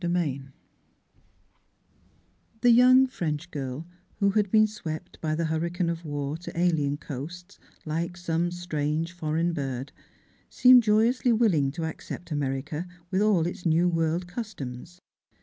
XVII THE young French girl who had been swept by the hurricane of war to alien coasts, like some strange foreign bird, seemed joy ously willing to accept America with all its new world customs.